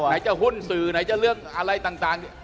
ไหนจะหุ้นสื่อไหนจะเรื่องอะไรต่าง